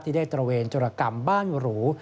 ได้ตระเวนจุรกรรมบ้านหรู